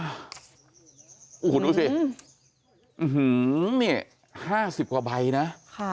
อ้อหูถูกดูสิหื้มเนี้ยห้าสิบกว่าใบนะค่ะ